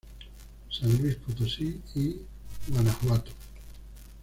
San Luis Potosí y Guanajuato.